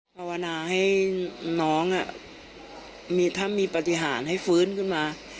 ภาวนาให้น้องถ้ามีปฏิหารให้ฟื้นขึ้นมา